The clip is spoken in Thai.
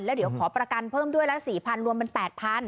แล้วเดี๋ยวขอประกันเพิ่มด้วยแล้วสี่พันรวมเป็นแปดพัน